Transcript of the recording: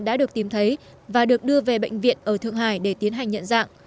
đã được tìm thấy và được đưa về bệnh viện ở thượng hải để tiến hành nhận dạng